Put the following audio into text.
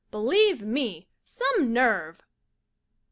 Believe me, some nerve